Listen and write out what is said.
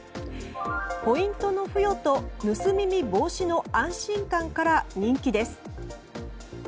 ポイントの付与と盗み見防止の安心感から人気です。